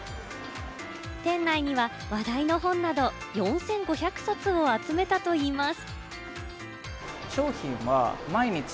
店内には話題の本など、４５００冊を集めたといいます。